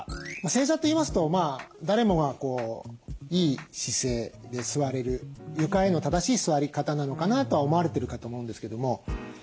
正座といいますと誰もがいい姿勢で座れる床への正しい座り方なのかなとは思われてるかと思うんですけども。